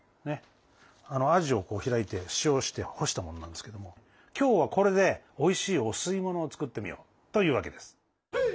アジを開いて塩して干したものなんですけども今日はこれでおいしいお吸い物を作ってみようというわけです。